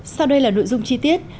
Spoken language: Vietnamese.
sau đây là nội dung chi tiết